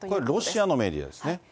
これはロシアのメディアですね。